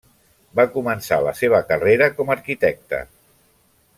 Va començar la seva carrera com a arquitecta.